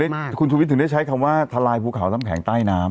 แล้วหรือคุณชีวิตถึงจะใช้คำว่าทรายภูเขาน้ำแข็งใต้น้ำ